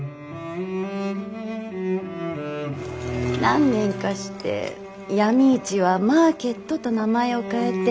何年かして闇市は「マーケット」と名前を変えて。